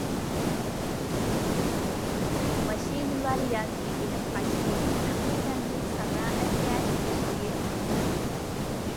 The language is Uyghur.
ماشىنىلار يارنى ئېلىپ قاچتى، ئەقىدەمنى سانائەتكە تېگىشتى.